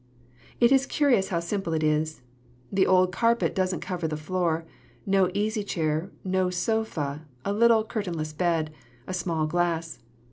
"It is curious how simple it is. The old carpet doesn't cover the floor. No easy chair, no sofa, a little curtainless bed, a small glass.